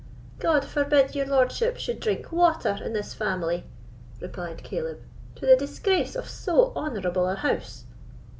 "God forbid your lordship should drink water in this family," replied Caleb, "to the disgrace of so honourable an house!"